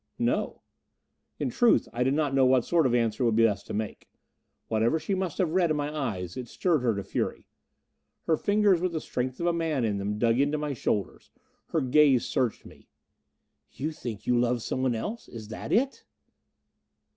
"No." In truth, I did not know what sort of answer it would be best to make. Whatever she must have read in my eyes, it stirred her to fury. Her fingers with the strength of a man in them, dug into my shoulders. Her gaze searched me. "You think you love someone else? Is that it?"